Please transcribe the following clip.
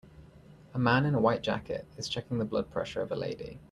A man in a white jacket is checking the blood pressure of a lady.